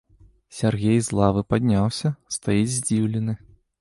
Сяргей з лавы падняўся, стаіць здзіўлены.